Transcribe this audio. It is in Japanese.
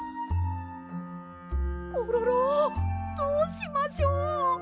コロロどうしましょう。